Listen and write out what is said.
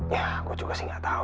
yah gue juga sih gak tau